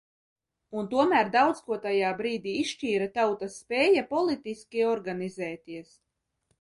Un tomēr daudz ko tajā brīdī izšķīra tautas spēja politiski organizēties.